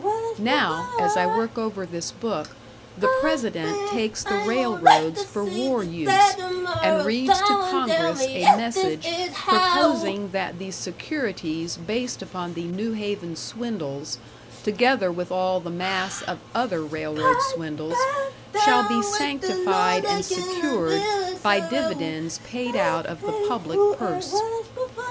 Now, as I work over this book, the President takes the railroads for war use, and reads to Congress a message proposing that the securities based upon the New Haven swindles, together with all the mass of other railroad swindles, shall be sanctified and secured by dividends paid out of the public purse.